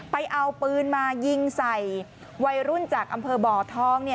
ไปเอาปืนมายิงใส่วัยรุ่นจากอำเภอบ่อทอง